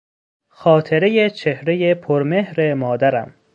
خاطرهی چهرهی پر مهر مادرم